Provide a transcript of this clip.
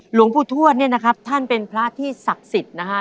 หลวงปู่ทวดท่านเป็นพระที่ศักดิ์สิทธิ์นะครับ